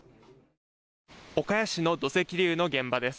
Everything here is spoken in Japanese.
岡谷市の土石流の現場です。